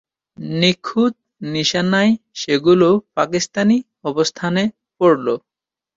নিখুঁত নিশানায় সেগুলো পাকিস্তানি অবস্থানে পড়ল।